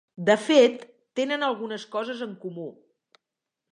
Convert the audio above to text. De fet, tenen algunes coses en comú.